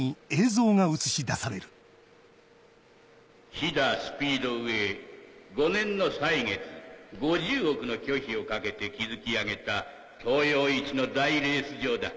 ヒダ・スピードウェイ５年の歳月５０億の巨費をかけて築き上げた東洋一の大レース場だ。